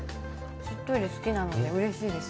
しっとり好きなのでうれしいです。